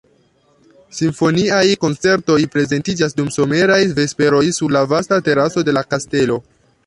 Simfoniaj koncertoj prezentiĝas dum someraj vesperoj sur la vasta teraso de la kastelo.